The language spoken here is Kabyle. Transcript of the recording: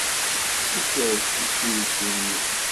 Ikerrec-itt uydi-nni.